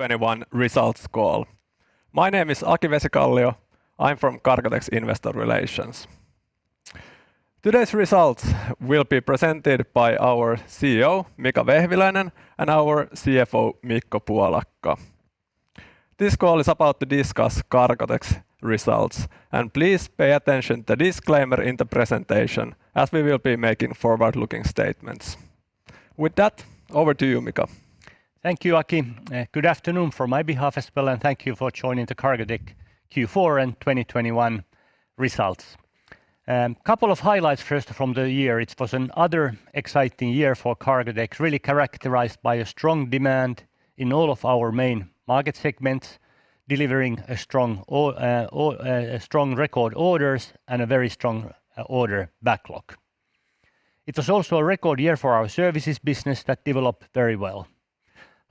21 results call. My name is Aki Vesikallio. I'm from Cargotec's Investor Relations. Today's results will be presented by our CEO, Mika Vehviläinen, and our CFO, Mikko Puolakka. This call is about to discuss Cargotec's results, and please pay attention to disclaimer in the presentation as we will be making forward-looking statements. With that, over to you, Mika. Thank you, Aki. Good afternoon from my behalf as well, and thank you for joining the Cargotec Q4 and 2021 results. Couple of highlights first from the year. It was another exciting year for Cargotec, really characterized by a strong demand in all of our main market segments, delivering a strong record orders and a very strong order backlog. It was also a record year for our services business that developed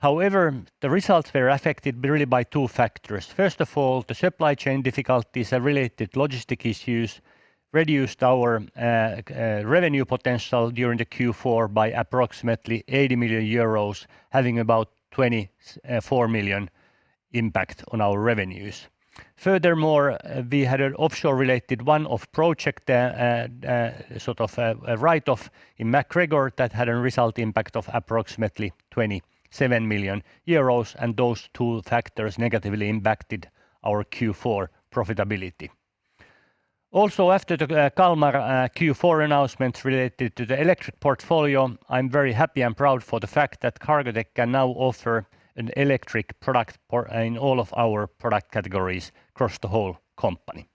very well. However, the results were affected really by two factors. First of all, the supply chain difficulties and related logistic issues reduced our revenue potential during the Q4 by approximately 80 million euros, having about 24 million impact on our revenues. Furthermore, we had an offshore-related one-off project, sort of, a write-off in MacGregor that had a result impact of approximately 27 million euros, and those two factors negatively impacted our Q4 profitability. Also, after the Kalmar Q4 announcements related to the eco portfolio, I'm very happy and proud for the fact that Cargotec can now offer an electric product in all of our product categories across the whole company.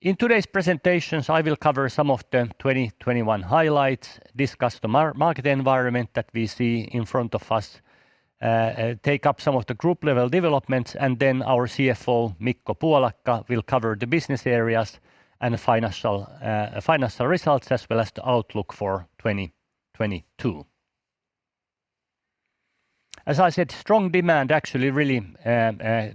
In today's presentations, I will cover some of the 2021 highlights, discuss the market environment that we see in front of us, take up some of the group level developments, and then our CFO, Mikko Puolakka, will cover the business areas and financial results as well as the outlook for 2022. As I said, strong demand actually really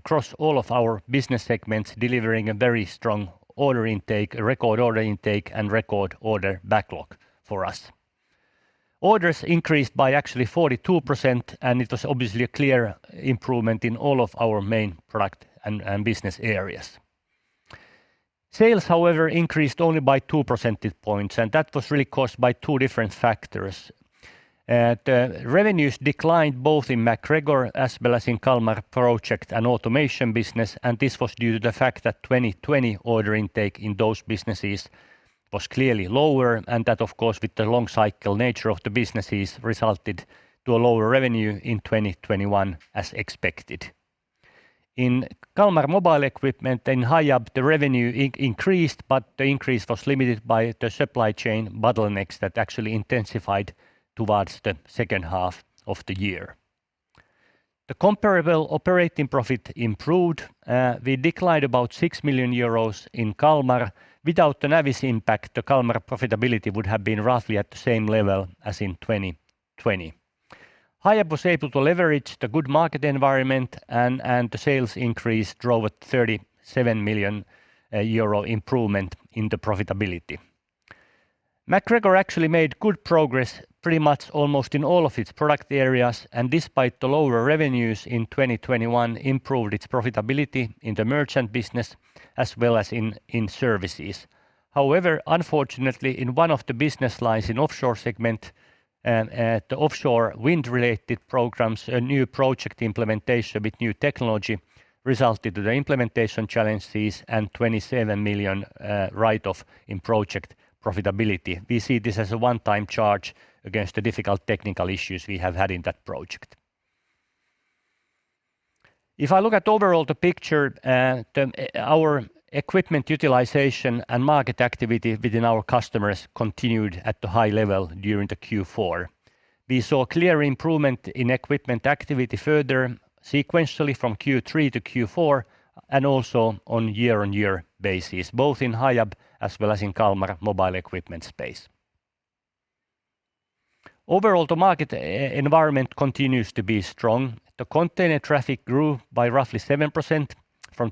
crossed all of our business segments, delivering a very strong order intake, a record order intake, and record order backlog for us. Orders increased by actually 42%, and it was obviously a clear improvement in all of our main product and business areas. Sales, however, increased only by two percentage points, and that was really caused by two different factors. The revenues declined both in MacGregor as well as in Kalmar project and automation business, and this was due to the fact that 2020 order intake in those businesses was clearly lower and that of course with the long cycle nature of the businesses resulted to a lower revenue in 2021 as expected. In Kalmar mobile equipment, in Hiab, the revenue increased, but the increase was limited by the supply chain bottlenecks that actually intensified towards the second half of the year. The comparable operating profit improved. We declined about 6 million euros in Kalmar. Without the Navis impact, the Kalmar profitability would have been roughly at the same level as in 2020. Hiab was able to leverage the good market environment and the sales increase drove a 37 million euro improvement in the profitability. MacGregor actually made good progress pretty much almost in all of its product areas and despite the lower revenues in 2021 improved its profitability in the merchant business as well as in services. However, unfortunately in one of the business lines in offshore segment, the offshore wind-related programs, a new project implementation with new technology resulted to the implementation challenges and 27 million write-off in project profitability. We see this as a one-time charge against the difficult technical issues we have had in that project. If I look at overall the picture, our equipment utilization and market activity within our customers continued at the high level during Q4. We saw clear improvement in equipment activity further sequentially from Q3 to Q4 and also on year-on-year basis, both in Hiab as well as in Kalmar mobile equipment space. Overall, the market environment continues to be strong. The container traffic grew by roughly 7% from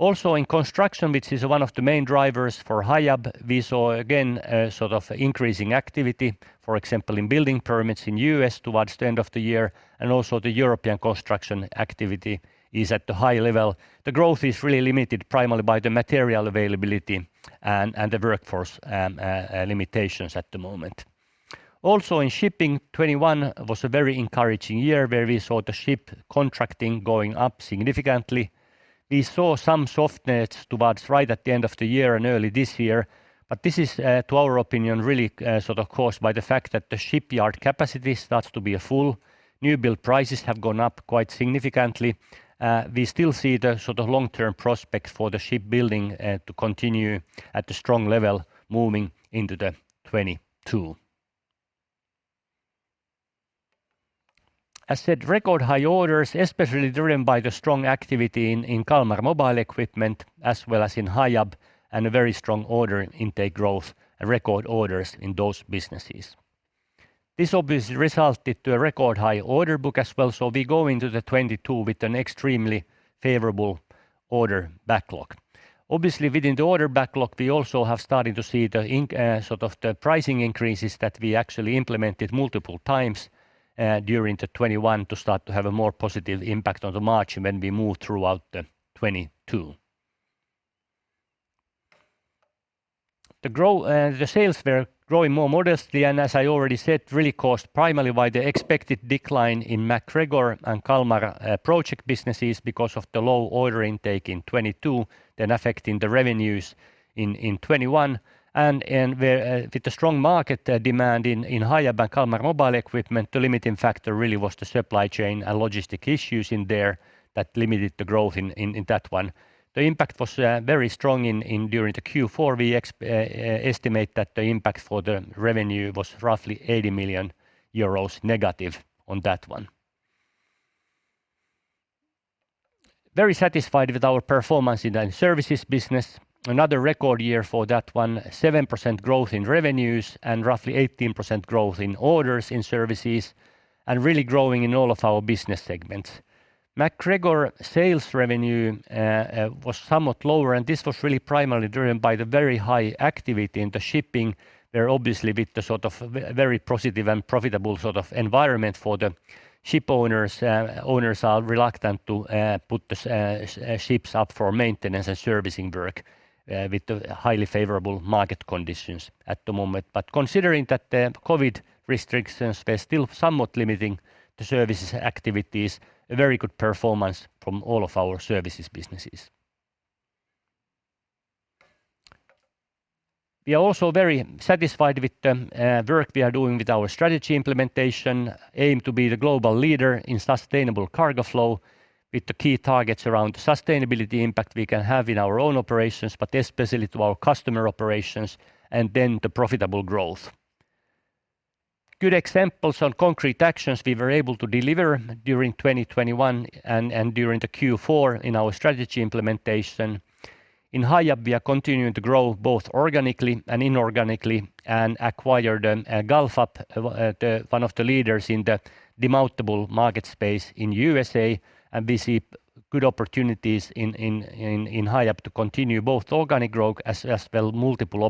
2020 to 2021 and is expected to grow somewhat over 5% also from 2021 to 2022, really by the strong global trading and sort of merchant activity As said, record high orders, especially driven by the strong activity in Kalmar mobile equipment as well as in Hiab and a very strong order intake growth, record orders in those businesses. This obviously resulted to a record high order book as well, so we go into 2022 with an extremely favorable order backlog. Obviously, within the order backlog, we also have started to see sort of the pricing increases that we actually implemented multiple times during 2021 to start to have a more positive impact on the margin when we move throughout 2022. The sales were growing more modestly, and as I already said, really caused primarily by the expected decline in MacGregor and Kalmar project businesses because of the low order intake in 2022, then affecting the revenues in 2021. Where, with the strong market demand in Hiab and Kalmar mobile equipment, the limiting factor really was the supply chain and logistics issues in there that limited the growth in that one. The impact was very strong. During the Q4, we estimate that the impact for the revenue was roughly 80 million euros negative on that one. Very satisfied with our performance in the services business. Another record year for that one. Seven percent growth in revenues and roughly 18% growth in orders in services, and really growing in all of our business segments. MacGregor sales revenue was somewhat lower, and this was really primarily driven by the very high activity in the shipping, where obviously with the sort of very positive and profitable sort of environment for the ship owners are reluctant to put the ships up for maintenance and servicing work with the highly favorable market conditions at the moment. Considering that the COVID restrictions were still somewhat limiting the services activities, a very good performance from all of our services businesses. We are also very satisfied with the work we are doing with our strategy implementation. Aim to be the global leader in sustainable cargo flow with the key targets around the sustainability impact we can have in our own operations, but especially to our customer operations, and then the profitable growth. Good examples on concrete actions we were able to deliver during 2021 and during the Q4 in our strategy implementation. In Hiab, we are continuing to grow both organically and inorganically and acquired Galfab, one of the leaders in the demountable market space in USA. We see good opportunities in Hiab to continue both organic growth as well multiple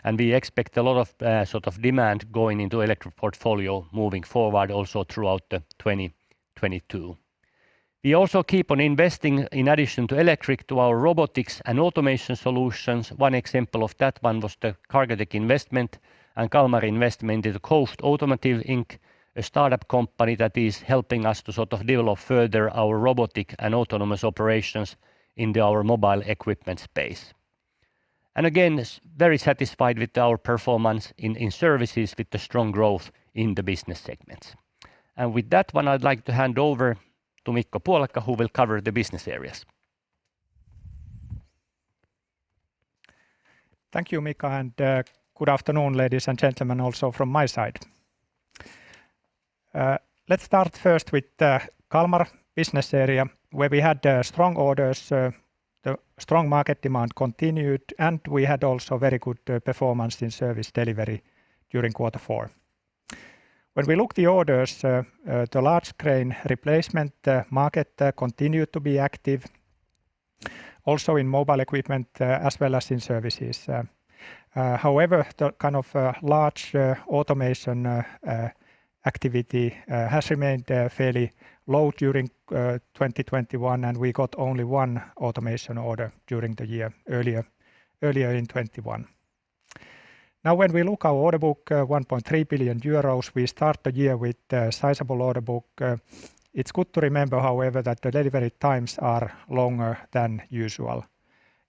opportunities to also grow inorganically, looking at the adjacent businesses the strong market demand continued, and we had also very good performance in service delivery during quarter four. When we look at the orders, the large crane replacement market continued to be active also in mobile equipment, as well as in services. However, the kind of large automation activity has remained fairly low during 2021, and we got only one automation order during the year earlier in 2021. Now, when we look at our order book, 1.3 billion euros, we start the year with a sizable order book. It's good to remember, however, that the delivery times are longer than usual.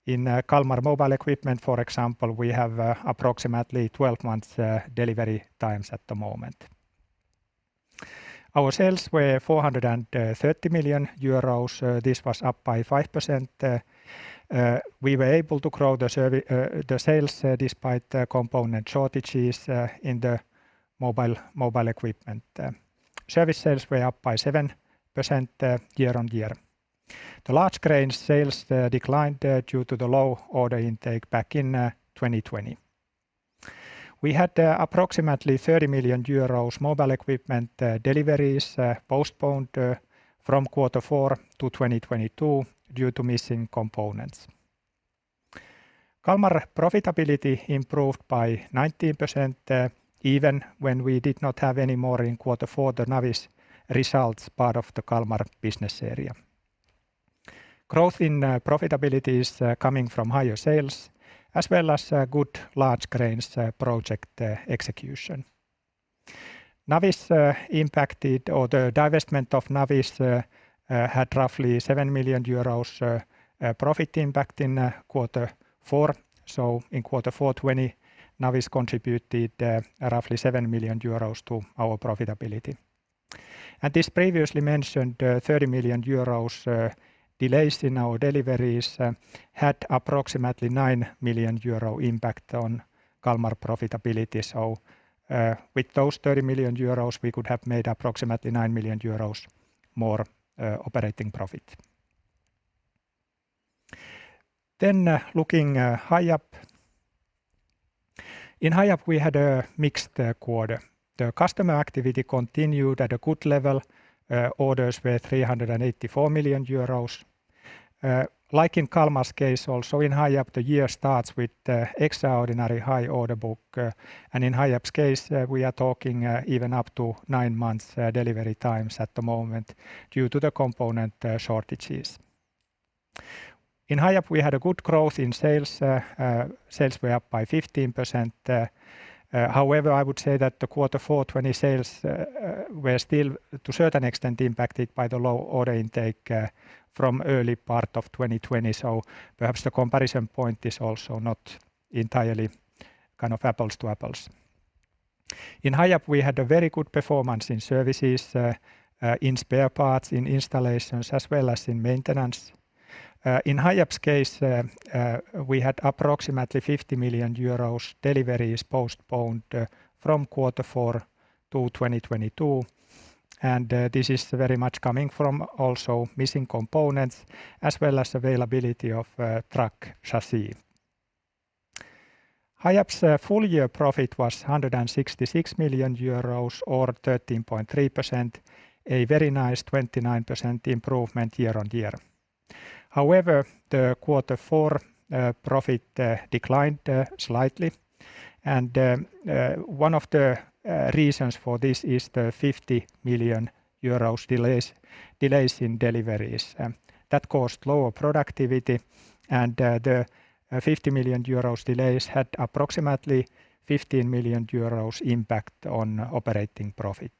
In Kalmar mobile equipment, for example, we have approximately 12 months delivery times at the moment. Our sales were 430 million euros. This was up by 5%. We were able to grow the sales despite the component shortages in the mobile equipment. Service sales were up by seven percent year on year. The large crane sales declined due to the low order intake back in 2020. We had approximately 30 million euros mobile equipment deliveries postponed from quarter four to 2022 due to missing components. Kalmar profitability improved by 19%, even when we did not have any more in quarter four the Navis results part of the Kalmar business area. Growth in profitability is coming from higher sales as well as good large cranes project execution. The divestment of Navis had roughly 7 million euros profit impact in quarter four. In quarter four 2020, Navis contributed roughly 7 million euros to our profitability. This previously mentioned 30 million euros delays in our deliveries had approximately 9 million euro impact on Kalmar profitability. With those 30 million euros, we could have made approximately 9 million euros more operating profit. Looking at Hiab. In Hiab, we had a mixed quarter. The customer activity continued at a good level. Orders were 384 million euros. Like in Kalmar's case, also in Hiab, the year starts with extraordinary high order book. In Hiab's case, we are talking even up to nine months' delivery times at the moment due to the component shortages. In Hiab, we had a good growth in sales. Sales were up by 15%. However, I would say that the Q4 2020 sales were still to a certain extent impacted by the low order intake from early part of 2020. Perhaps the comparison point is also not entirely kind of apples to apples. In Hiab, we had a very good performance in services, in spare parts, in installations, as well as in maintenance. In Hiab's case, we had approximately 50 million euros deliveries postponed from quarter four to 2022, and this is very much coming from also missing components as well as availability of truck chassis. Hiab's full year profit was 166 million euros or 13.3%, a very nice 29% improvement year-over-year. However, the quarter four profit declined slightly. One of the reasons for this is the 50 million euros delays in deliveries that caused lower productivity and the 50 million euros delays had approximately 15 million euros impact on operating profit.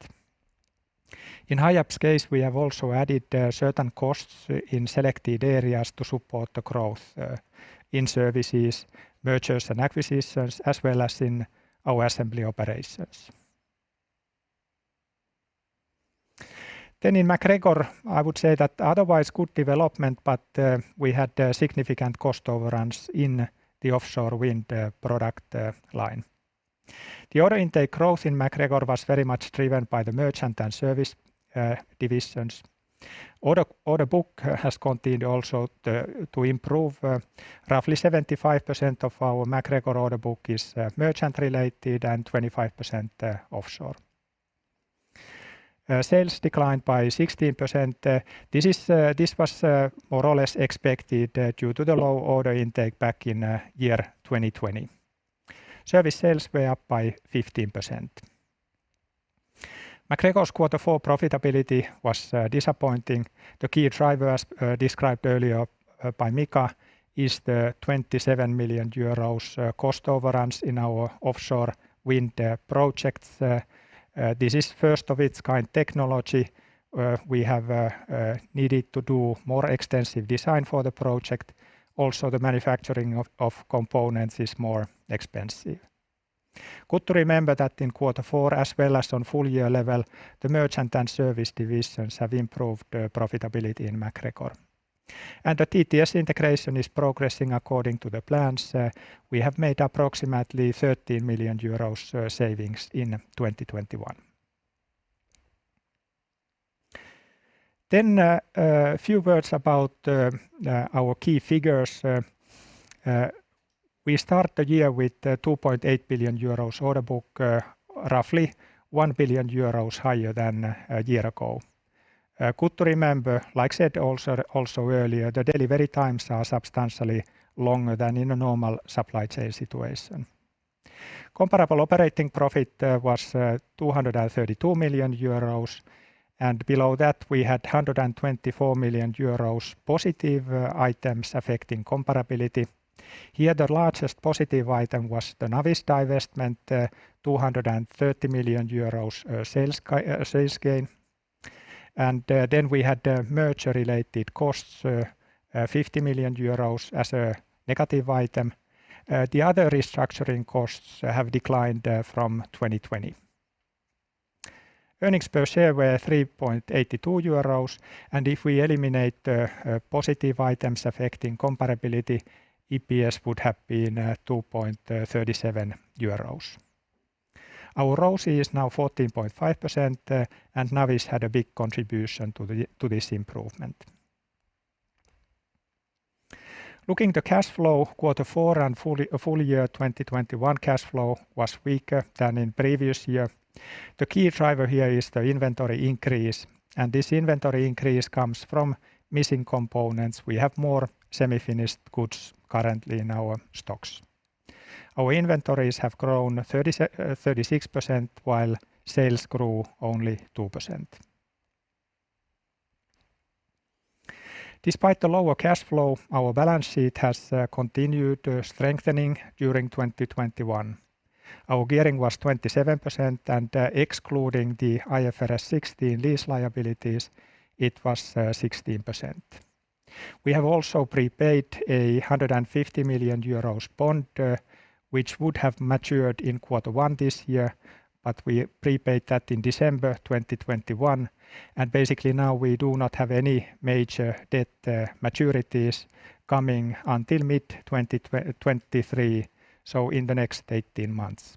In Hiab's case, we have also added certain costs in selected areas to support the growth in services, mergers and acquisitions, as well as in our assembly operations. In MacGregor, I would say that otherwise good development, but we had significant cost overruns in the offshore wind product line. The order intake growth in MacGregor was very much driven by the merchant and service divisions. Order book has continued to improve. Roughly 75% of our MacGregor order book is merchant-related and 25% offshore. Sales declined by 16%. This was more or less expected due to the low order intake back in year 2020. Service sales were up by 15%. MacGregor's quarter four profitability was disappointing. The key drivers described earlier by Mika is the 27 million euros cost overruns in our offshore wind projects. This is first of its kind technology. We have needed to do more extensive design for the project. Also, the manufacturing of components is more expensive. Good to remember that in quarter four, as well as on full year level, the merchant and service divisions have improved profitability in MacGregor. The TTS integration is progressing according to the plans. We have made approximately 13 million euros savings in 2021. A few words about our key figures. We start the year with a 2.8 billion euros order book, roughly 1 billion euros higher than a year ago. Good to remember, like said also earlier, the delivery times are substantially longer than in a normal supply chain situation. Comparable operating profit was 232 million euros, and below that we had 124 million euros positive items affecting comparability. Here, the largest positive item was the Navis divestment, 230 million euros sales gain. Then we had the merger-related costs, 50 million euros as a negative item. The other restructuring costs have declined from 2020. Earnings per share were 3.82 euros, and if we eliminate positive items affecting comparability, EPS would have been 2.37 euros. Our ROCE is now 14.5%, and Navis had a big contribution to this improvement. Looking at the cash flow, quarter four and full year 2021 cash flow was weaker than in previous year. The key driver here is the inventory increase, and this inventory increase comes from missing components. We have more semi-finished goods currently in our stocks. Our inventories have grown 36%, while sales grew only two percent. Despite the lower cash flow, our balance sheet has continued strengthening during 2021. Our gearing was 27% and excluding the IFRS 16 lease liabilities, it was 16%. We have also prepaid a 150 million euros bond, which would have matured in Q1 this year, but we prepaid that in December 2021. Basically now we do not have any major debt maturities coming until mid-2023, so in the next 18 months.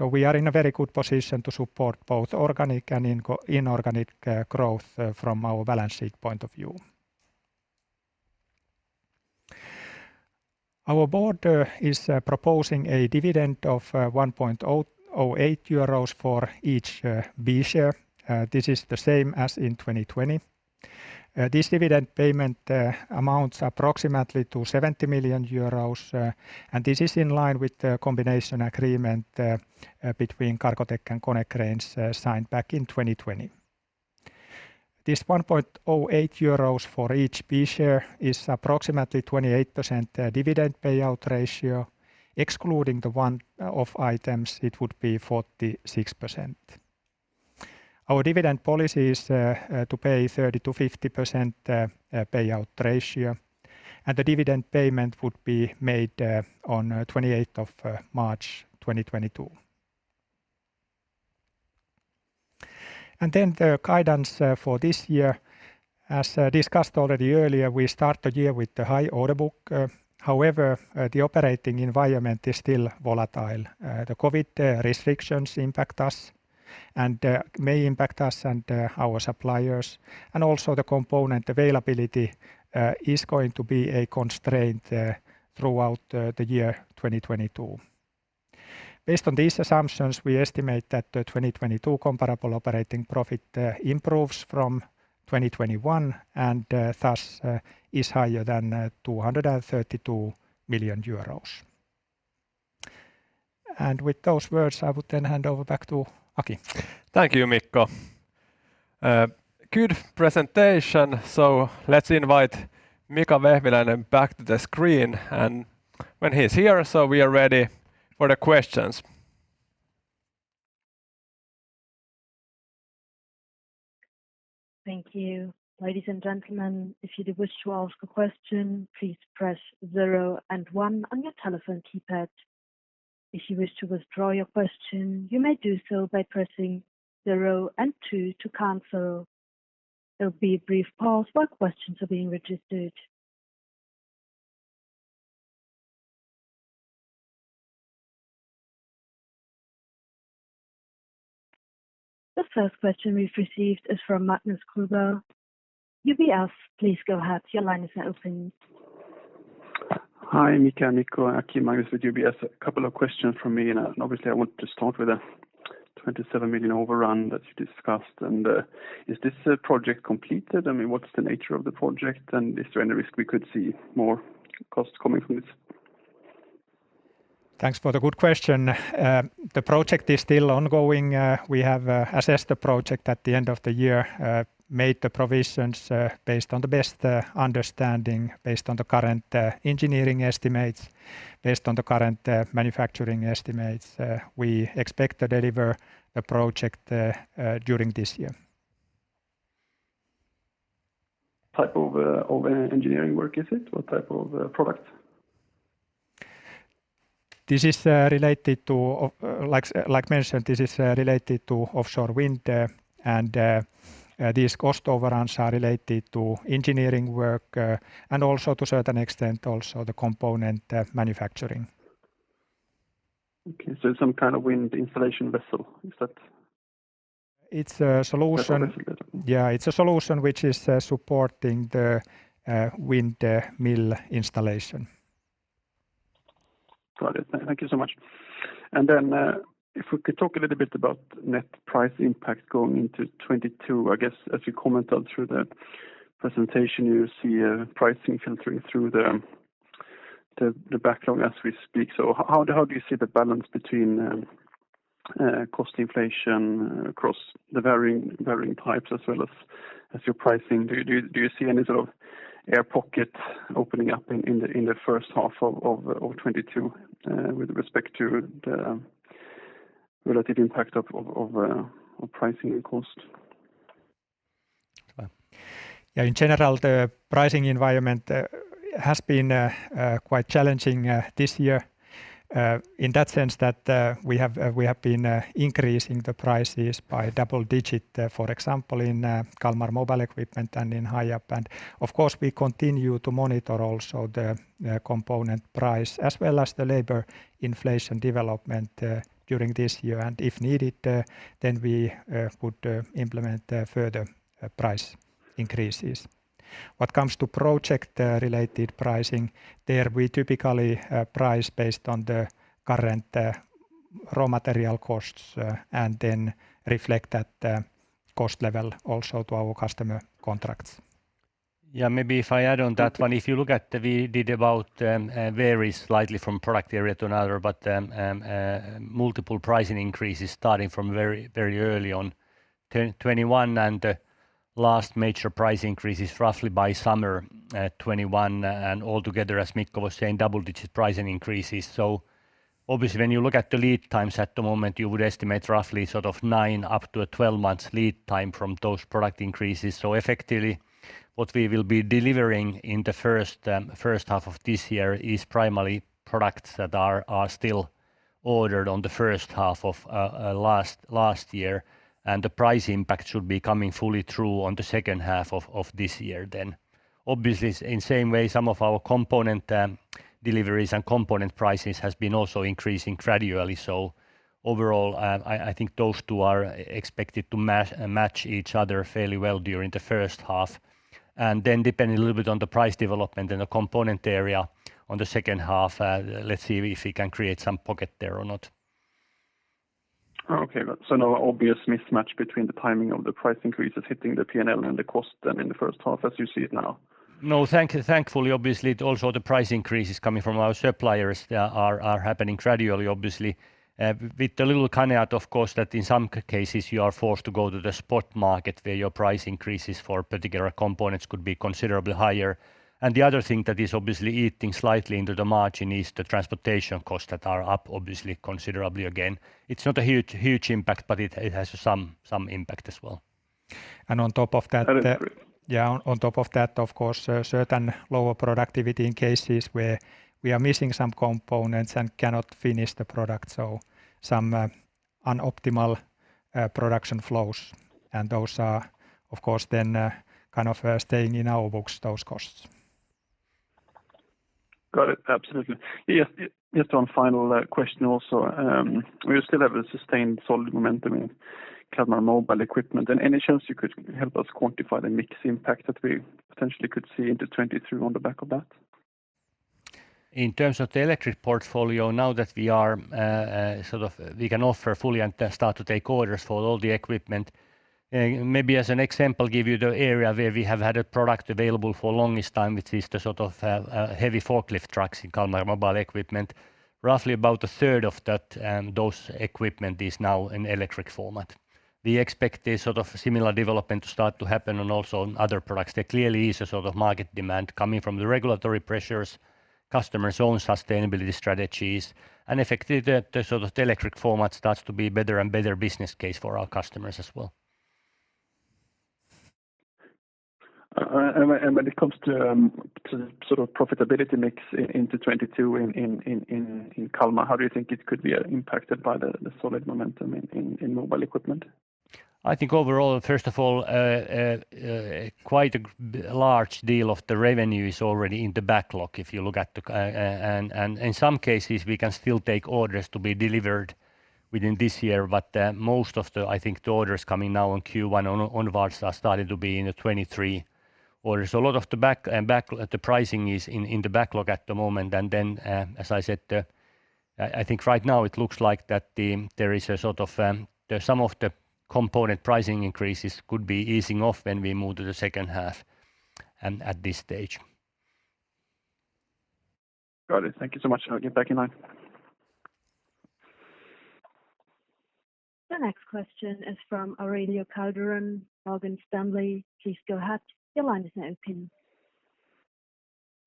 We are in a very good position to support both organic and inorganic growth from our balance sheet point of view. Our board is proposing a dividend of 1.08 euros for each class B share. This is the same as in 2020. This dividend payment amounts approximately to 70 million euros, and this is in line with the combination agreement between Cargotec and Konecranes signed back in 2020. This 1.08 euros for each class B share is approximately 28% dividend payout ratio. Excluding the one-off items, it would be 46%. Our dividend policy is to pay 30%-50% payout ratio, and the dividend payment would be made on 28th of March 2022. Then the guidance for this year. As discussed already earlier, we start the year with the high order book. However, the operating environment is still volatile. The COVID restrictions impact us and may impact us and our suppliers. Also the component availability is going to be a constraint throughout the year 2022. Based on these assumptions, we estimate that the 2022 comparable operating profit improves from 2021 and thus is higher than 232 million euros. With those words, I would then hand over back to Aki. Thank you, Mikko. Good presentation. Let's invite Mika Vehviläinen back to the screen. When he's here, we are ready for the questions. Thank you. Ladies and gentlemen, if you wish to ask a question, please press zero and one on your telephone keypad. If you wish to withdraw your question, you may do so by pressing zero and two to cancel. There'll be a brief pause while questions are being registered. The first question we've received is from Magnus Kruber, UBS. Please go ahead. Your line is open. Hi, Mika, Mikko, Aki. Magnus with UBS. A couple of questions from me, and obviously, I want to start with the 27 million overrun that you discussed. Is this project completed? I mean, what's the nature of the project, and is there any risk we could see more costs coming from this? Thanks for the good question. The project is still ongoing. We have assessed the project at the end of the year, made the provisions, based on the best understanding, based on the current engineering estimates, based on the current manufacturing estimates. We expect to deliver the project during this year. Type of engineering work is it? What type of product? This is, like mentioned, related to offshore wind, and these cost overruns are related to engineering work, and also to certain extent also the component manufacturing. Some kind of wind installation vessel, is that? It's a solution- Installation vessel. Yeah. It's a solution which is supporting the windmill installation. Got it. Thank you so much. If we could talk a little bit about net price impact going into 2022. I guess, as you commented through the presentation, you see pricing filtering through the backlog as we speak. How do you see the balance between cost inflation across the varying types as well as your pricing? Do you see any sort of air pockets opening up in the first half of 2022, with respect to the relative impact of pricing and cost? Yeah. In general, the pricing environment has been quite challenging this year in that sense that we have been increasing the prices by double digit, for example, in Kalmar mobile equipment and in Hiab. Of course, we continue to monitor also the component price as well as the labor inflation development during this year. If needed, then we would implement the further price increases. What comes to project related pricing, there we typically price based on the current raw material costs and then reflect that cost level also to our customer contracts. Yeah. Maybe if I add on that one. Okay. If you look at the, we did about varies slightly from product area to another, but multiple pricing increases starting from very, very early on 2021 and the last major price increase is roughly by summer 2021. Altogether, as Mikko was saying, double-digit pricing increases. Obviously, when you look at the lead times at the moment, you would estimate roughly sort of nine-twelve months lead time from those product increases. Effectively, what we will be delivering in the first half of this year is primarily products that are still ordered on the first half of last year. The price impact should be coming fully through on the second half of this year then. Obviously, in the same way, some of our component deliveries and component prices has been also increasing gradually. Overall, I think those two are expected to match each other fairly well during the first half. Depending a little bit on the price development in the component area on the second half, let's see if we can create some pocket there or not. Okay. No obvious mismatch between the timing of the price increases hitting the P&L and the cost then in the first half as you see it now? No, thankfully, obviously, also the price increases coming from our suppliers, yeah, are happening gradually, obviously. With a little caveat, of course, that in some cases, you are forced to go to the spot market where your price increases for particular components could be considerably higher. The other thing that is obviously eating slightly into the margin is the transportation costs that are up obviously considerably again. It's not a huge impact, but it has some impact as well. On top of that. Understood. Yeah. On top of that, of course, certain lower productivity in cases where we are missing some components and cannot finish the product. Some suboptimal production flows. Those are, of course, then kind of staying in our books, those costs. Got it. Absolutely. Yes. Yes, one final question also. We still have a sustained solid momentum in Kalmar Mobile equipment. Any chance you could help us quantify the mix impact that we potentially could see into 2023 on the back of that? In terms of the electric portfolio, now that we are, we can offer fully and start to take orders for all the equipment. Maybe as an example, give you the area where we have had a product available for longest time, which is the sort of heavy forklift trucks in Kalmar Mobile equipment. Roughly about a third of that, those equipment is now in electric format. We expect a sort of similar development to start to happen and also on other products. There clearly is a sort of market demand coming from the regulatory pressures, customers' own sustainability strategies, and effectively the electric format starts to be better and better business case for our customers as well. When it comes to sort of profitability mix into 2022 in Kalmar, how do you think it could be impacted by the solid momentum in mobile equipment? I think overall, first of all, a large deal of the revenue is already in the backlog if you look at the, and in some cases, we can still take orders to be delivered within this year. Most of the, I think, the orders coming now in Q1 onwards are starting to be in the 2023 orders. A lot of the pricing is in the backlog at the moment. Then, as I said, I think right now it looks like that there is a sort of some of the component pricing increases could be easing off when we move to the second half and at this stage. Got it. Thank you so much. I'll get back in line. The next question is from Aurelio Calderon, Morgan Stanley. Please go ahead. Your line is now open.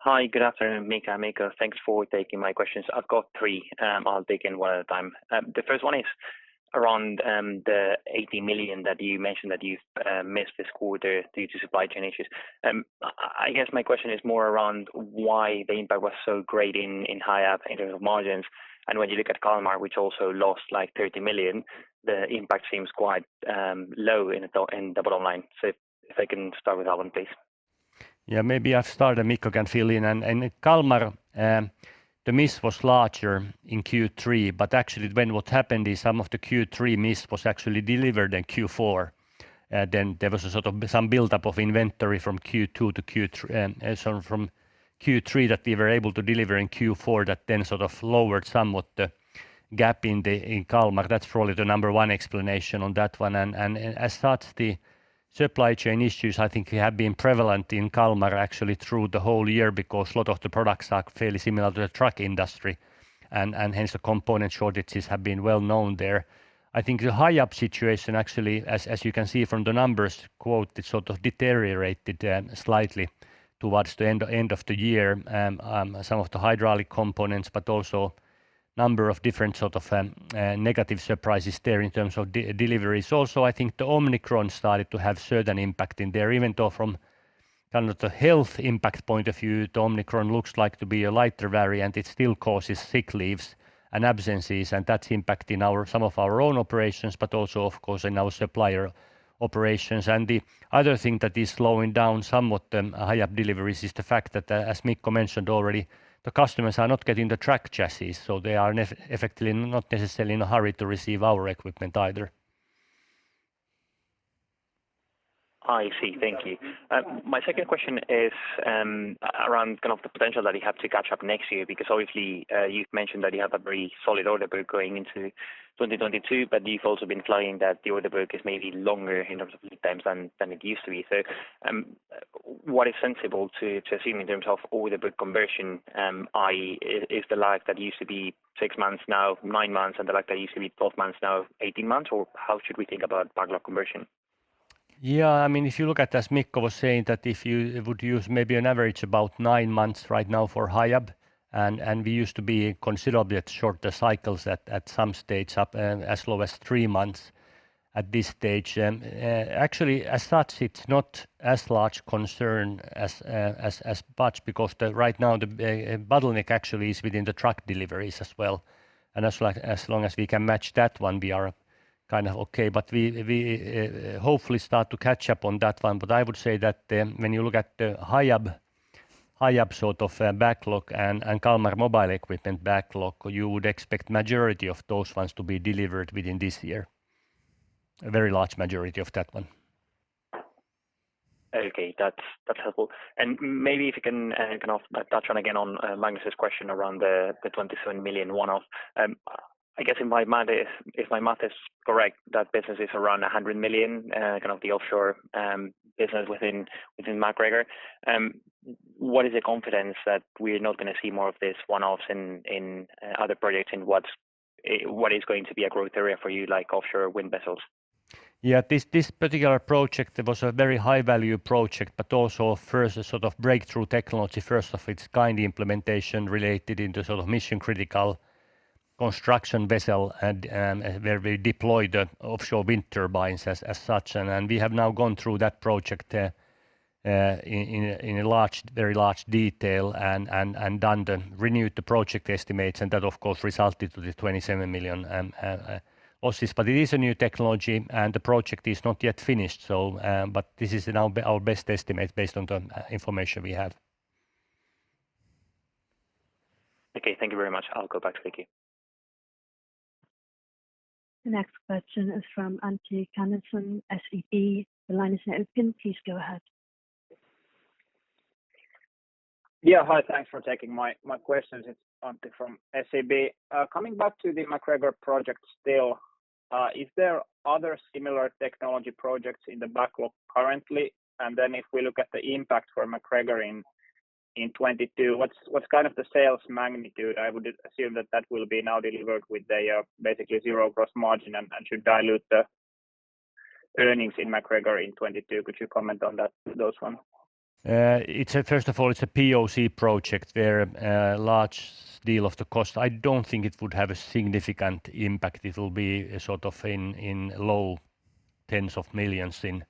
Hi, good afternoon, Mika, Mikko. Thanks for taking my questions. I've got three. I'll take them one at a time. The first one is around the 80 million that you mentioned that you missed this quarter due to supply chain issues. I guess my question is more around why the impact was so great in Hiab in terms of margins. When you look at Kalmar, which also lost like 30 million, the impact seems quite low in the bottom line. If I can start with that one, please. Yeah. Maybe I'll start, and Mikko can fill in. Kalmar, the miss was larger in Q3, but actually then what happened is some of the Q3 miss was actually delivered in Q4. Then there was a sort of some buildup of inventory from Q3 that we were able to deliver in Q4 that then sort of lowered somewhat the gap in Kalmar. That's probably the number one explanation on that one. As such, the supply chain issues, I think, have been prevalent in Kalmar actually through the whole year because a lot of the products are fairly similar to the truck industry, and hence the component shortages have been well known there. I think the Hiab situation, actually, as you can see from the numbers quoted, sort of deteriorated slightly towards the end of the year. Some of the hydraulic components, but also number of different sort of negative surprises there in terms of deliveries. Also, I think the Omicron started to have certain impact in there, even though from kind of the health impact point of view, the Omicron looks like to be a lighter variant. It still causes sick leaves and absences, and that's impacting our some of our own operations, but also, of course, in our supplier operations. The other thing that is slowing down somewhat Hiab deliveries is the fact that, as Mikko mentioned already, the customers are not getting the truck chassis, so they are effectively not necessarily in a hurry to receive our equipment either. I see. Thank you. My second question is around kind of the potential that you have to catch up next year, because obviously, you've mentioned that you have a very solid order book going into 2022, but you've also been implying that the order book is maybe longer in terms of lead times than it used to be. What is sensible to assume in terms of order book conversion? I.e. is the lag that used to be 6 months now 9 months, and the lag that used to be 12 months now 18 months? Or how should we think about backlog conversion? Yeah. I mean, if you look at, as Mikko was saying, that if you would use maybe an average about nine months right now for Hiab and we used to be considerably at shorter cycles at some stage up and as low as three months at this stage. Actually as such, it's not as large a concern as much because right now a bottleneck actually is within the truck deliveries as well. As long as we can match that one we are kind of okay. We hopefully start to catch up on that one. I would say that, when you look at the Hiab sort of backlog and Kalmar Mobile equipment backlog, you would expect majority of those ones to be delivered within this year. A very large majority of that one. Okay. That's helpful. Maybe if you can kind of touch on again on Magnus' question around the 27 million one-off. I guess in my mind, if my math is correct, that business is around 100 million, kind of the offshore business within MacGregor. What is the confidence that we're not gonna see more of this one-offs in other projects? What is going to be a growth area for you, like offshore wind vessels? Yeah. This particular project was a very high value project, but also first a sort of breakthrough technology, first of its kind implementation related to sort of mission-critical construction vessel and where we deployed offshore wind turbines as such. We have now gone through that project in great detail and renewed the project estimates and that of course resulted in the 27 million losses. It is a new technology and the project is not yet finished. This is our best estimate based on the information we have. Okay. Thank you very much. I'll go back to Vicky. The next question is from Antti Kansanen, SEB. The line is now open. Please go ahead. Yeah. Hi. Thanks for taking my questions. It's Antti from SEB. Coming back to the MacGregor project still, is there other similar technology projects in the backlog currently? Then if we look at the impact for MacGregor in 2022, what's kind of the sales magnitude? I would assume that will be now delivered with a basically zero gross margin and should dilute the earnings in MacGregor in 2022. Could you comment on that, those one? It's a POC project where large deal of the cost. I don't think it would have a significant impact. It'll be sort of in the low tens of millions EUR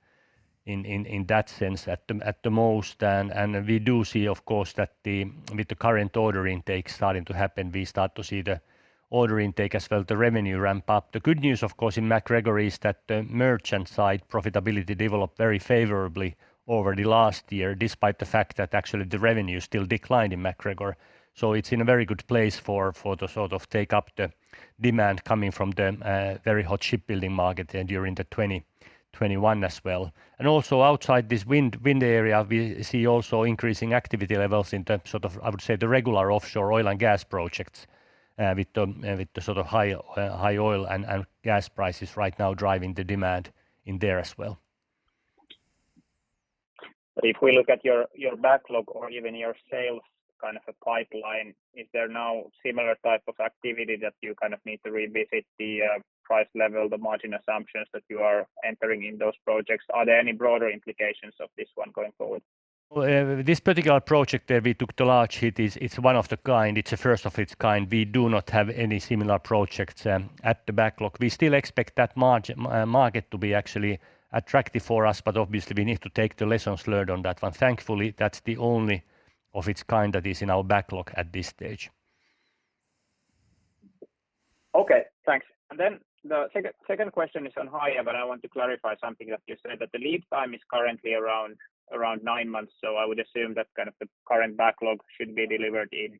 in that sense at the most. We do see of course that with the current order intake starting to happen, we start to see the order intake as well, the revenue ramp up. The good news of course in MacGregor is that the merchant side profitability developed very favorably over the last year despite the fact that actually the revenue still declined in MacGregor. It's in a very good place for the sort of uptake of the demand coming from the very hot shipbuilding market during 2021 as well. Also outside this wind area, we see also increasing activity levels in terms, sort of, I would say, the regular offshore oil and gas projects, with the sort of high oil and gas prices right now driving the demand in there as well. If we look at your backlog or even your sales kind of a pipeline, is there now similar type of activity that you kind of need to revisit the price level, the margin assumptions that you are entering in those projects? Are there any broader implications of this one going forward? This particular project that we took the large hit is, it's one of a kind, it's a first of its kind. We do not have any similar projects at the backlog. We still expect that market to be actually attractive for us, but obviously we need to take the lessons learned on that one. Thankfully, that's the only one of its kind that is in our backlog at this stage. Okay. Thanks. Then the second question is on Hiab. I want to clarify something that you said, that the lead time is currently around nine months. I would assume that kind of the current backlog should be delivered in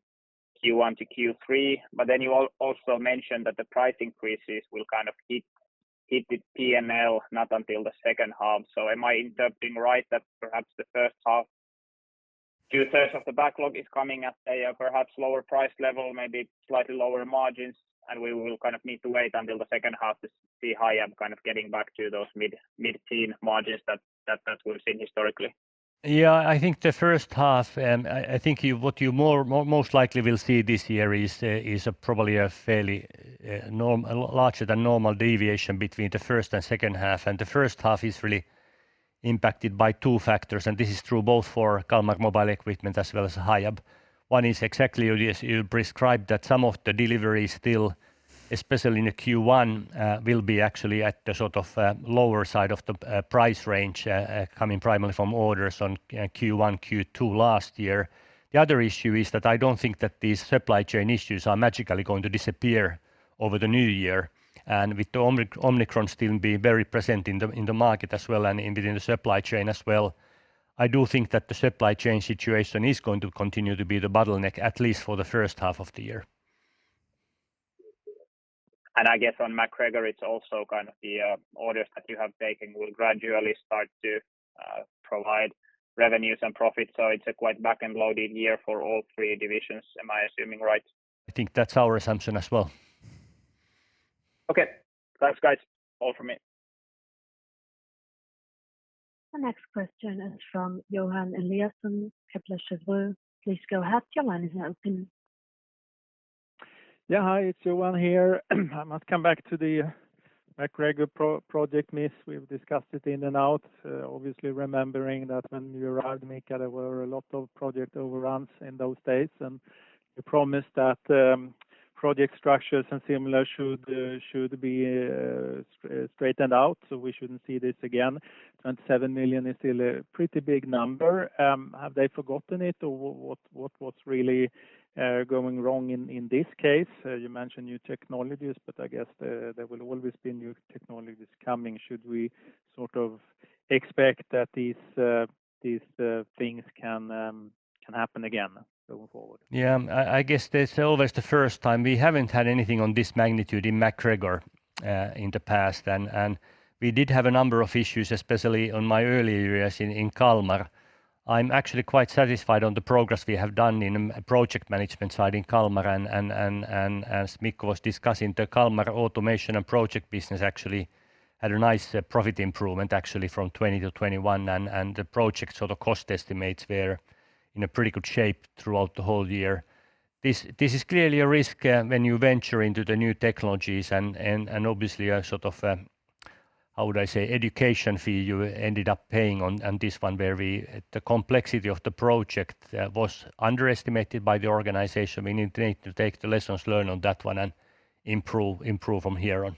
Q1 to Q3. You also mentioned that the price increases will kind of hit the P&L not until the second half. Am I interpreting right that perhaps the first half, two-thirds of the backlog is coming at a perhaps lower price level, maybe slightly lower margins, and we will kind of need to wait until the second half to see Hiab kind of getting back to those mid-teen margins that we've seen historically? Yeah. I think the first half, I think what you most likely will see this year is probably a fairly larger than normal deviation between the first and second half. The first half is really impacted by two factors, and this is true both for Kalmar Mobile equipment as well as Hiab. One is exactly as you described that some of the deliveries still, especially in the Q1, will be actually at the sort of lower side of the price range, coming primarily from orders on Q1, Q2 last year. The other issue is that I don't think that these supply chain issues are magically going to disappear over the new year. With the Omicron still being very present in the market as well and within the supply chain as well, I do think that the supply chain situation is going to continue to be the bottleneck at least for the first half of the year. I guess on MacGregor it's also kind of the orders that you have taken will gradually start to provide revenues and profits. It's a quite back-end loaded year for all three divisions. Am I assuming right? I think that's our assumption as well. Okay. Thanks, guys. All from me. The next question is from Johan Eliason, Kepler Cheuvreux. Please go ahead. Your line is open. Yeah. Hi, it's Johan here. I must come back to the MacGregor project miss. We've discussed it in and out, obviously remembering that when you arrived, Mika, there were a lot of project overruns in those days, and you promised that project structures and similar should be straightened out, so we shouldn't see this again. 7 million is still a pretty big number. Have they forgotten it, or what's really going wrong in this case? You mentioned new technologies, but I guess there will always be new technologies coming. Should we sort of expect that these things can happen again going forward? Yeah. I guess there's always the first time. We haven't had anything on this magnitude in MacGregor in the past. We did have a number of issues, especially on my early years in Kalmar. I'm actually quite satisfied on the progress we have done in project management side in Kalmar and as Mikko was discussing, the Kalmar automation and project business actually had a nice profit improvement actually from 2020 to 2021. The project sort of cost estimates were in a pretty good shape throughout the whole year. This is clearly a risk when you venture into the new technologies and obviously a sort of how would I say, education fee you ended up paying on this one where the complexity of the project was underestimated by the organization. We need to take the lessons learned on that one and improve from here on.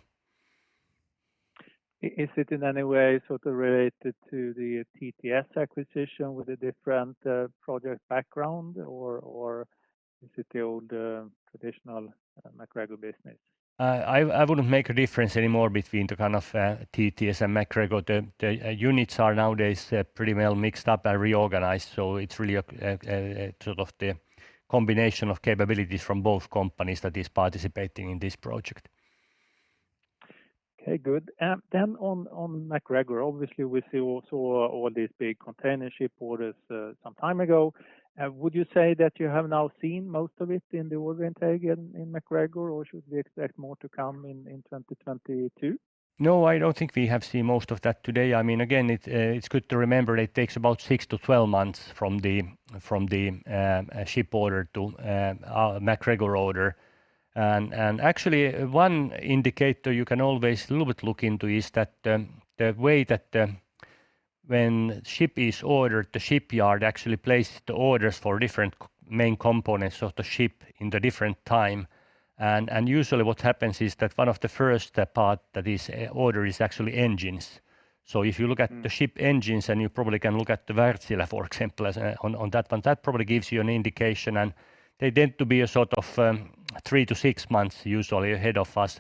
Is it in any way sort of related to the TTS acquisition with a different project background or is it the old traditional MacGregor business? I wouldn't make a difference anymore between the kind of TTS and MacGregor. The units are nowadays pretty well mixed up and reorganized, so it's really a sort of the combination of capabilities from both companies that is participating in this project. Okay. Good. On MacGregor, obviously we see also all these big container ship orders some time ago. Would you say that you have now seen most of it in the order intake in MacGregor, or should we expect more to come in 2022? No, I don't think we have seen most of that today. I mean, again, it's good to remember it takes about six-12 months from the ship order to our MacGregor order. Actually one indicator you can always a little bit look into is that the way that when ship is ordered, the shipyard actually places the orders for different main components of the ship at different times. Usually what happens is that one of the first part that is ordered is actually engines. So if you look at- Mm The ship engines, and you probably can look at the Wärtsilä, for example, on that one. That probably gives you an indication, and they tend to be a sort of three-six months usually ahead of us.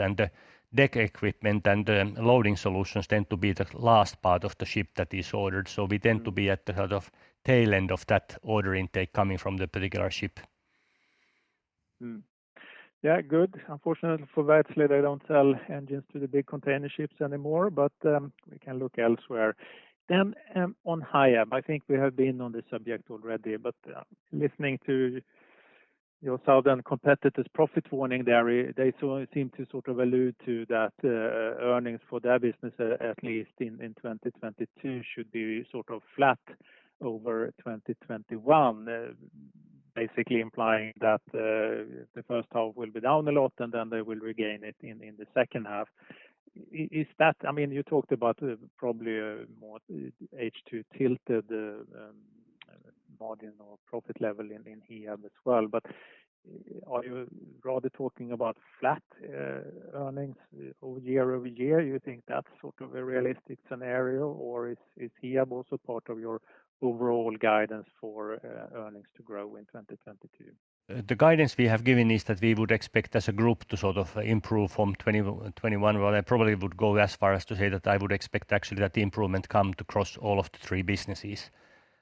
Deck equipment and loading solutions tend to be the last part of the ship that is ordered. We tend to be at the sort of tail end of that order intake coming from the particular ship. Yeah. Good. Unfortunately for Wärtsilä they don't sell engines to the big container ships anymore, but we can look elsewhere. On Hiab, I think we have been on this subject already, but listening to your southern competitors' profit warning, they sort of seem to allude to that earnings for their business at least in 2022 should be sort of flat over 2021. Basically implying that the first half will be down a lot, and then they will regain it in the second half. Is that? I mean, you talked about probably a more second half tilted margin or profit level in Hiab as well. But are you rather talking about flat earnings year over year? You think that's sort of a realistic scenario, or is Hiab also part of your overall guidance for earnings to grow in 2022? The guidance we have given is that we would expect as a group to sort of improve from 2021. Well, I probably would go as far as to say that I would expect actually that the improvement come across all of the three businesses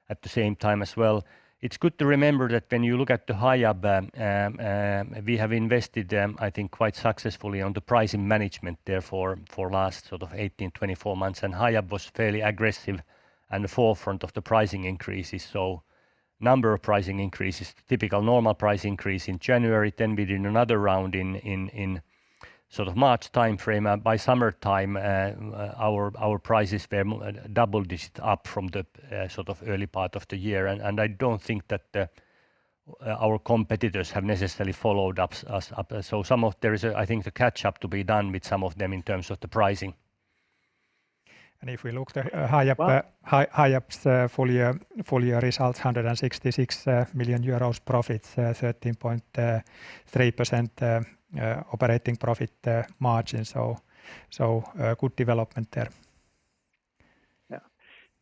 at the same time as well. It's good to remember that when you look at Hiab, we have invested, I think, quite successfully on the pricing management there for last sort of 18-24 months. Hiab was fairly aggressive at the forefront of the pricing increases. Number of pricing increases, typical normal price increase in January, then we did another round in sort of March timeframe. By summertime, our prices were double-digit up from the sort of early part of the year. I don't think that our competitors have necessarily followed us up. There is, I think, the catch-up to be done with some of them in terms of the pricing. If we look What? Hiab's full year results, 166 million EUR profits, 13.3% operating profit margin. Good development there. Yeah.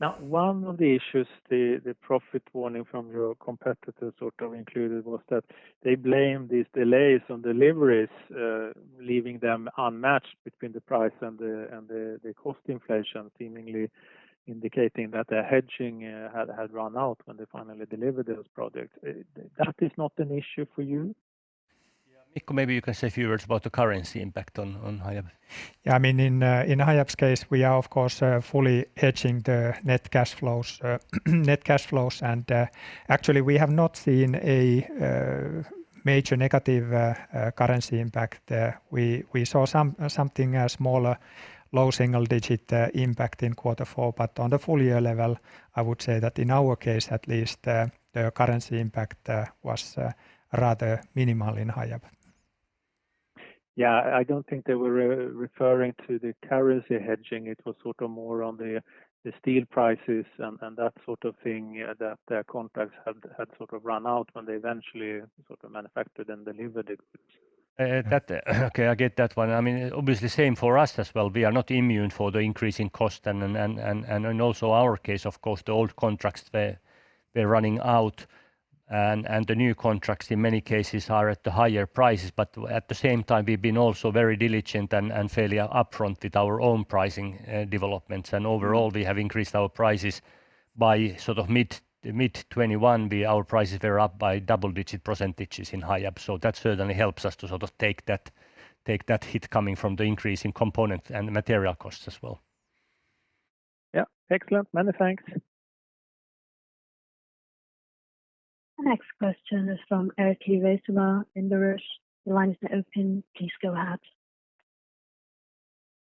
Now, one of the issues the profit warning from your competitors sort of included was that they blame these delays on deliveries, leaving them unmatched between the price and the cost inflation, seemingly indicating that their hedging had run out when they finally delivered those products. That is not an issue for you? Yeah. Mikko, maybe you can say a few words about the currency impact on Hiab. Yeah. I mean, in Hiab's case, we are of course fully hedging the net cash flows. Actually we have not seen a major negative currency impact. We saw something, a smaller low single-digit impact in quarter four. But on the full year level, I would say that in our case at least, the currency impact was rather minimal in Hiab. Yeah, I don't think they were referring to the currency hedging. It was sort of more on the steel prices and that sort of thing that their contracts had sort of run out when they eventually sort of manufactured and delivered it. Okay, I get that one. I mean, obviously same for us as well. We are not immune to the increasing cost and also our case, of course, the old contracts they're running out and the new contracts in many cases are at the higher prices. But at the same time, we've been also very diligent and fairly upfront with our own pricing developments. Overall, we have increased our prices by sort of mid 2021. Our prices were up by double-digit percentages in Hiab. That certainly helps us to sort of take that hit coming from the increase in components and material costs as well. Yeah. Excellent. Many thanks. The next question is from Eric Levesova in Burrus. The line is now open. Please go ahead.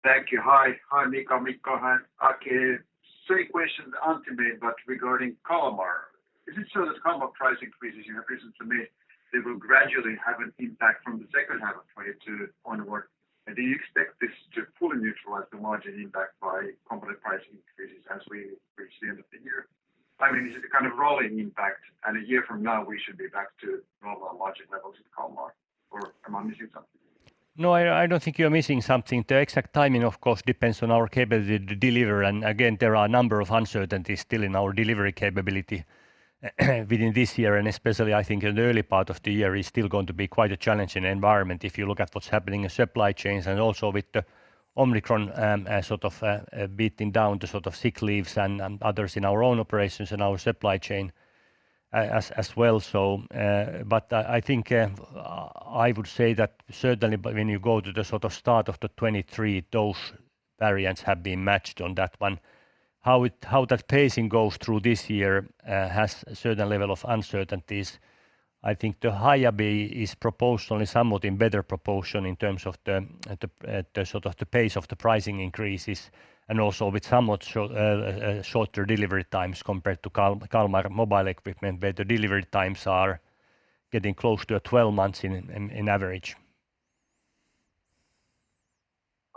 Thank you. Hi. Hi Mika, Mikko, and Aki. Same question ultimately, but regarding Kalmar. Is it so that Kalmar price increases you have presented to me, they will gradually have an impact from the second half of 2022 onward? Do you expect this to fully neutralize the margin impact by component price increases as we reach the end of the year? I mean, is it a kind of rolling impact, and a year from now we should be back to normal margin levels in Kalmar? Or am I missing something? No, I don't think you're missing something. The exact timing, of course, depends on our capability to deliver. Again, there are a number of uncertainties still in our delivery capability within this year, and especially I think in the early part of the year is still going to be quite a challenging environment if you look at what's happening in supply chains and also with the Omicron, sort of, beating down the sort of sick leaves and others in our own operations and our supply chain as well. I think I would say that certainly when you go to the sort of start of the 2023, those variants have been matched on that one. How that pacing goes through this year has a certain level of uncertainties. I think Hiab is proportionally somewhat in better proportion in terms of the sort of pace of the pricing increases and also with somewhat shorter delivery times compared to Kalmar mobile equipment, where the delivery times are getting close to 12 months on average.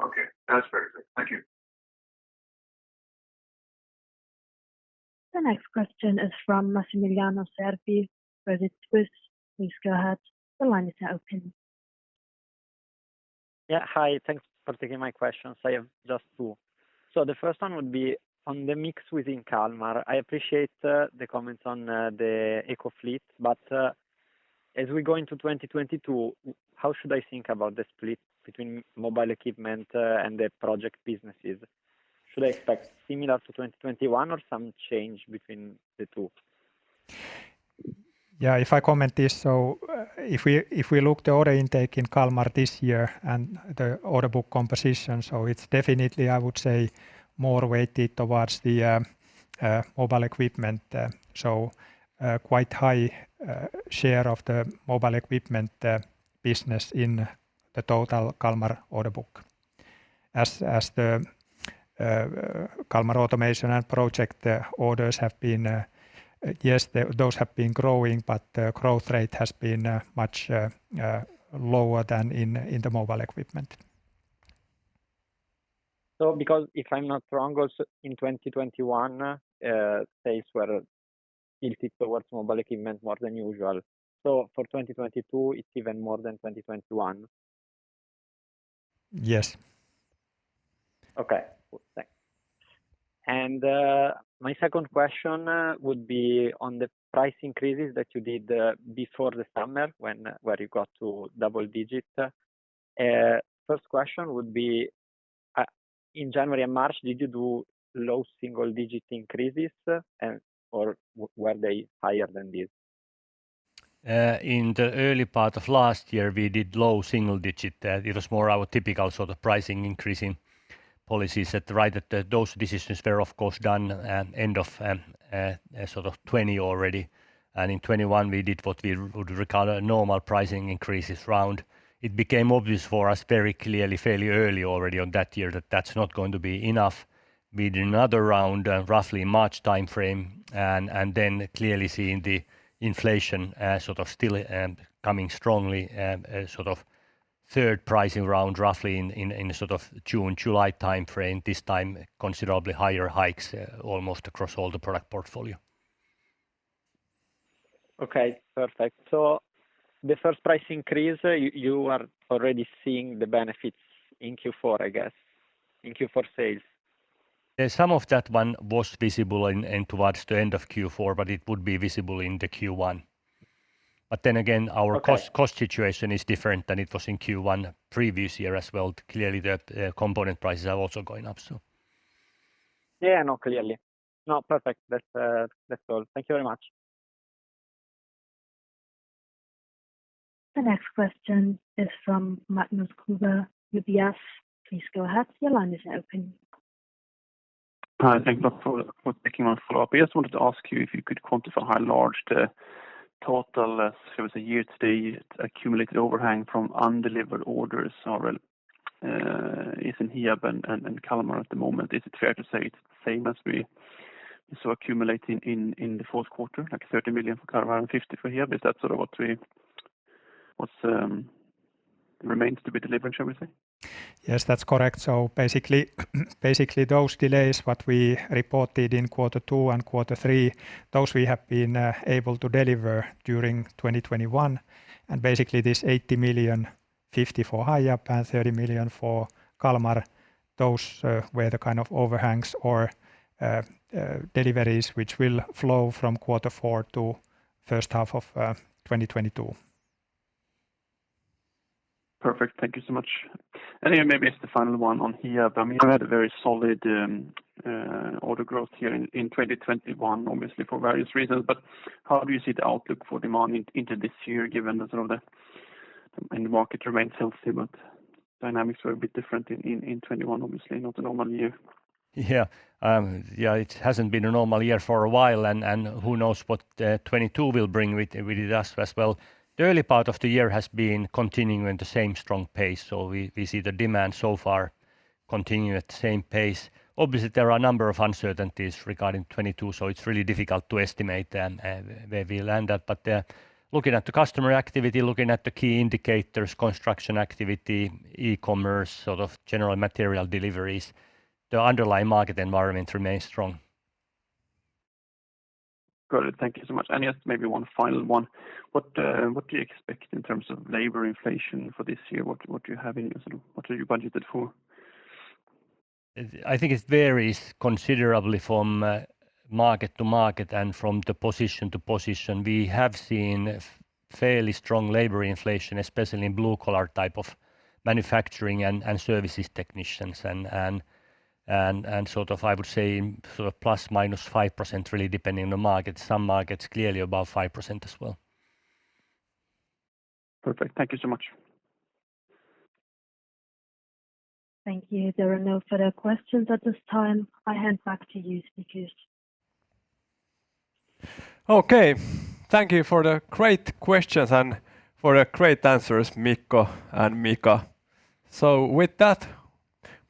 Okay. That's very clear. Thank you. The next question is from Massimiliano Serpi, Credit Suisse. Please go ahead. The line is open. Yeah. Hi. Thanks for taking my questions. I have just two. The first one would be on the mix within Kalmar. I appreciate the comments on the eco portfolio, but as we go into 2022, how should I think about the split between mobile equipment and the project businesses? Should I expect similar to 2021 or some change between the two? If I comment this, if we look at the order intake in Kalmar this year and the order book composition, it's definitely, I would say, more weighted towards the mobile equipment. Quite high share of the mobile equipment business in the total Kalmar order book. As the Kalmar automation and project orders have been growing, but the growth rate has been much lower than in the mobile equipment. Because if I'm not wrong, also in 2021, sales were tilted towards mobile equipment more than usual. For 2022, it's even more than 2021? Yes. Okay. Thanks. My second question would be on the price increases that you did before the summer where you got to double digits. First question would be, in January and March, did you do low single-digit increases, or were they higher than this? In the early part of last year, we did low single digit. It was more our typical sort of pricing increasing policies at the right. Those decisions were, of course, done end of sort of 2020 already. In 2021, we did what we would regard a normal pricing increases round. It became obvious for us very clearly fairly early already on that year that that's not going to be enough. We did another round roughly March timeframe, and then clearly seeing the inflation sort of still coming strongly sort of third pricing round roughly in sort of June, July timeframe. This time, considerably higher hikes almost across all the product portfolio. Okay. Perfect. The first price increase, you are already seeing the benefits in Q4, I guess, in Q4 sales? Some of that one was visible in towards the end of Q4, but it would be visible in the Q1. Okay. Our cost situation is different than it was in Q1 previous year as well. Clearly, the component prices are also going up, so. Yeah, I know, clearly. No, perfect. That's all. Thank you very much. The next question is from Magnus Kruber, UBS. Please go ahead. Your line is open. Hi. Thank you for taking my follow-up. I just wanted to ask you if you could quantify how large the total, sort of a year-to-date accumulated overhang from undelivered orders are? It's in Hiab and Kalmar at the moment. Is it fair to say it's the same as we saw accumulating in the fourth quarter, like 30 million for Kalmar and 50 million for Hiab? Is that sort of what remains to be delivered, shall we say? Yes, that's correct. Basically, those delays, what we reported in quarter two and quarter three, those we have been able to deliver during 2021. Basically this 80 million, 50 million for Hiab and 30 million for Kalmar, those were the kind of overhangs or deliveries which will flow from quarter four to first half of 2022. Perfect. Thank you so much. Yeah, maybe it's the final one on Hiab. I mean, you had a very solid order growth here in 2021, obviously for various reasons. How do you see the outlook for demand into this year given the market remains healthy, but dynamics were a bit different in 2021, obviously not a normal year. Yeah. Yeah, it hasn't been a normal year for a while and who knows what 2022 will bring with it as well. The early part of the year has been continuing with the same strong pace, so we see the demand so far continuing at the same pace. Obviously, there are a number of uncertainties regarding 2022, so it's really difficult to estimate where we'll end up. Looking at the customer activity, looking at the key indicators, construction activity, e-commerce, sort of general material deliveries, the underlying market environment remains strong. Got it. Thank you so much. Just maybe one final one. What do you expect in terms of labor inflation for this year? What are you budgeted for? I think it varies considerably from market to market and from the position to position. We have seen fairly strong labor inflation, especially in blue collar type of manufacturing and sort of, I would say sort of ±5% really depending on the market. Some markets clearly above five percent as well. Perfect. Thank you so much. Thank you. There are no further questions at this time. I hand back to you speakers. Okay. Thank you for the great questions and for the great answers, Mikko and Mika. With that,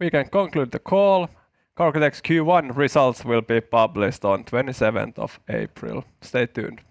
we can conclude the call. Cargotec's Q1 results will be published on 27th of April. Stay tuned. Thank you.